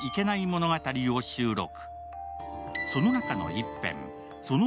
物語を収録。